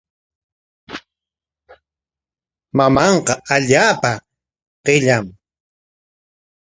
Mamanqa allaapa qilla.